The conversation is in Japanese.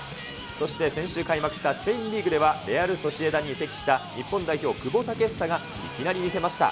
そして先週開幕したスペインリーグでは、レアル・ソシエダに移籍した日本代表、久保建英がいきなり見せました。